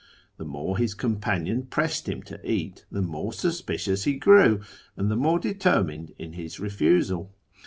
The more his companion pressed him to eat, the more susi^icious he grew, and the more determined in his refusal.